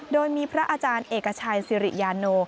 โดยมีพระอาจารย์เอกชัยสิริยาโน